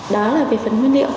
đó là về phần nguyên liệu